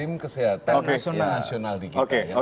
eko sistem kesehatan nasional di kita